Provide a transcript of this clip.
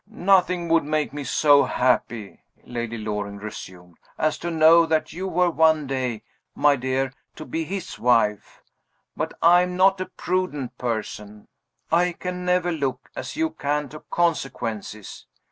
"Nothing would make me so happy," Lady Loring resumed, "as to know that you were one day, my dear, to be his wife. But I am not a prudent person I can never look, as you can, to consequences.